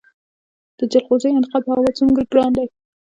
د جلغوزیو انتقال په هوا څومره ګران دی؟